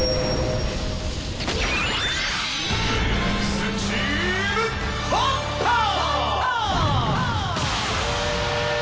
「スチームホッパー！」